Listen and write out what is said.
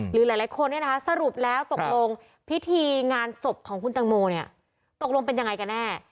หรือหลายคนสรุปแล้วตกลงพิธีงานศพของคุณตังโมเนี่ยตกลงเป็นยังไงกันแน่